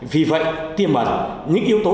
vì vậy tiêm ẩn những yếu tố